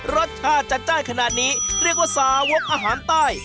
รสชาติจัดจ้านขนาดนี้เรียกว่าสาวกอาหารใต้